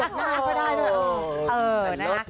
เขาโอ